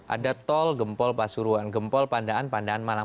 ada tol gempol pasuruan gempol pandaan pandaan malang